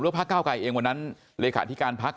ก็พระข้าวไกยเศรษฐ์ครับวันนั้นลิขาที่การพัก